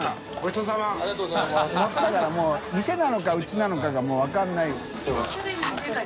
世もう店なのか家なのかがもう分からない。